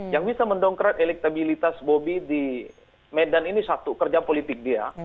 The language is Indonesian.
yang bisa mendongkrak elektabilitas bobi di medan ini satu kerja politik dia